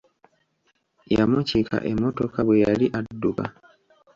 Yamukiika emmotoka bwe yali adduka.